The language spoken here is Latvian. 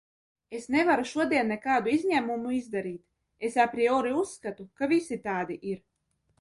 Es nevaru šodien nekādu izņēmumu izdarīt, es apriori uzskatu, ka visi tādi ir.